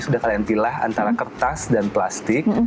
sudah kalian pilah antara kertas dan plastik